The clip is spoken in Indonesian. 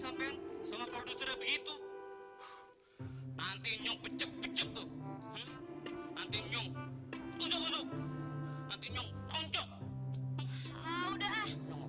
sekarang kalian pergi ke sekolah